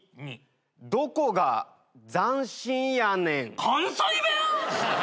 どこが斬新やねん。